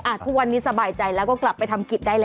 ทุกวันนี้สบายใจแล้วก็กลับไปทำกิจได้แล้ว